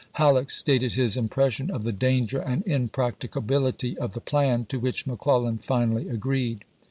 Halleck stated his impression of the danger and impracticability of the plan, to which McClellan finally agreed.